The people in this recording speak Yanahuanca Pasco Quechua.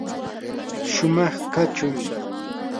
shumaq kachuy.